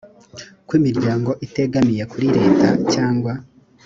kw imiryango itegamiye kuri leta cyangwa